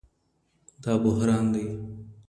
دا بحران دی.